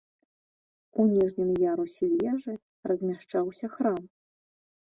У ніжнім ярусе вежы размяшчаўся храм.